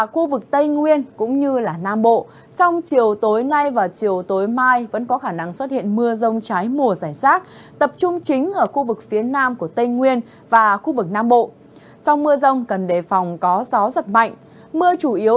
khu vực hà nội nhiều mây đêm và sáng có lúc có mưa nhỏ mưa phùn và sương mù